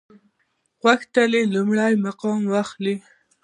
غوښتل لومړی مقام واخلي.